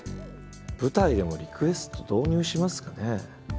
舞台でもリクエスト導入しますかね。